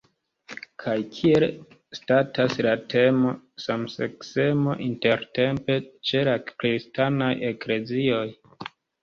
Kaj kiel statas la temo samseksemo intertempe ĉe la kristanaj eklezioj?